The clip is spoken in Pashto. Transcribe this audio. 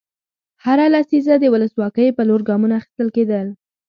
هره لسیزه د ولسواکۍ په لور ګامونه اخیستل کېدل.